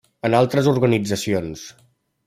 En altres organitzacions.